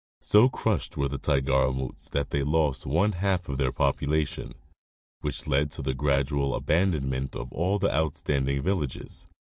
So crushed were the Tigaramutes that they lost one half of their population, which led to the gradual abandonment of all the out standing villages.